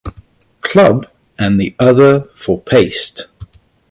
Club" and the other for "Paste".